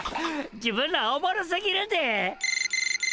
自分らおもろすぎるで！